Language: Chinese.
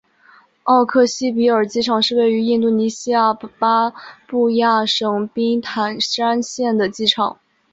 奥克西比尔机场是位于印度尼西亚巴布亚省宾坦山县的机场。